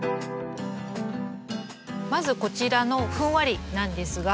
まずこちらのふんわりなんですが。